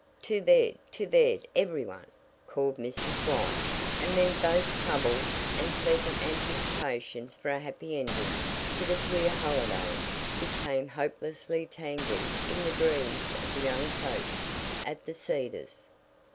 "To bed! To bed, every one!" called Mrs. White, and then both troubles and pleasant anticipations for a happy ending to the queer holiday became hopelessly tangled in the dreams of the young folks at The Cedars.